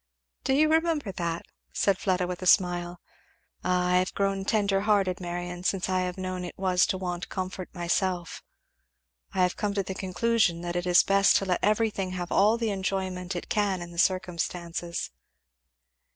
"Do you remember that?" said Fleda with a smile. "Ah I have grown tender hearted, Marion, since I have known what it was to want comfort myself. I have come to the conclusion that it is best to let everything have all the enjoyment it can in the circumstances.